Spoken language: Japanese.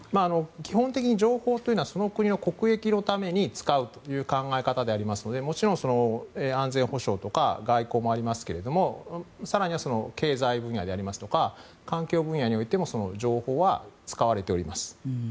基本的に情報というのはその国の国益のために使うという考え方でありますのでもちろん安全保障とか外交もありますけれども更には経済分野でありますとか環境分野においても情報は使われております。